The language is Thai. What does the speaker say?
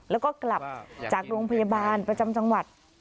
แล้วก็กลับจากโรงพยาบาลประจำจังหวัด